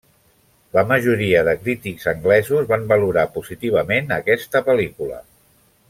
La majoria de crítics anglesos van valorar positivament aquesta pel·lícula.